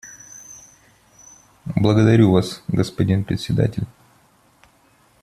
Благодарю Вас, господин Председатель.